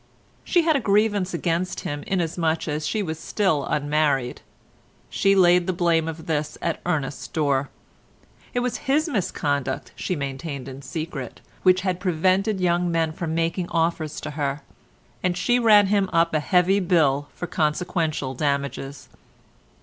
She had a grievance against him inasmuch as she was still unmarried. She laid the blame of this at Ernest's door; it was his misconduct she maintained in secret, which had prevented young men from making offers to her, and she ran him up a heavy bill for consequential damages.